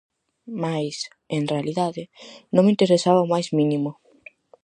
Mais, en realidade, non me interesaba o máis mínimo.